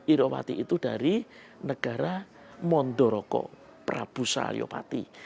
irowati itu dari negara mondoroko prabu salyopati